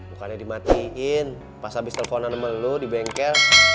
bukannya dimatiin pas abis teleponan sama lo di bengkel